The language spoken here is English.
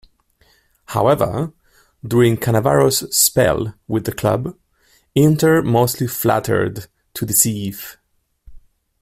However, during Cannavaro's spell with the club, Inter mostly flattered to deceive.